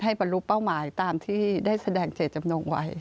ให้ประลูกเป้าหมายตามที่ได้แสดงเจ็ดจำนวงไว้